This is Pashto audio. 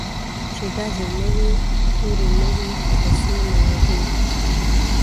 چي ډزي نه وي توری نه وي حادثې مو وهي